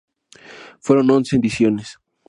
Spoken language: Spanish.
Fueron once ediciones.